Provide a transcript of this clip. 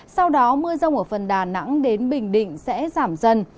sau đó mưa rông ở phần đà nẵng đến bình định sẽ giảm dần